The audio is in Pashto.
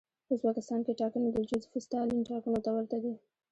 په ازبکستان کې ټاکنې د جوزېف ستالین ټاکنو ته ورته دي.